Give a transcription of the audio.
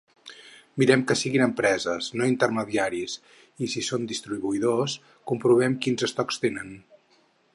Mirem que siguin empreses, no intermediaris, i si són distribuïdors comprovem quins estocs tenen.